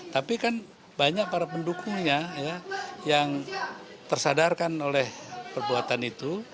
tapi kan banyak para pendukungnya yang tersadarkan oleh perbuatan itu